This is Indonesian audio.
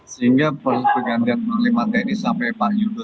sehingga proses pergantian pengaliman tni sampai pak yudho